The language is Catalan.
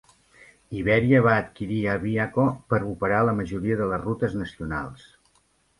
Iberia va adquirir Aviaco per operar la majoria de les rutes nacionals.